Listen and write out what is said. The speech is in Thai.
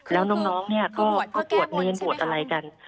แล้วน้องเนี่ยก็ปวดเนรบวชอะไรกัน